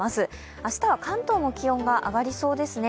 明日は関東も気温が上がりそうですね。